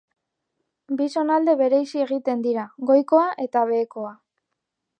Bi zonalde bereizi egiten dira, goikoa eta behekoa.